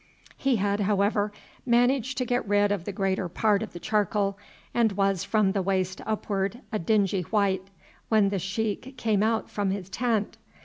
He had, however, managed to get rid of the greater part of the charcoal, and was from the waist upward a dingy white, when the sheik came out from his tent.